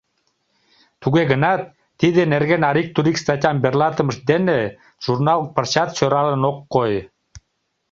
Туге гынат тиде нерген арик-турик статьям верлатымышт дене журнал пырчат сӧралын ок кой.